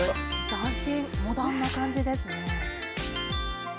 斬新、モダンな感じですね。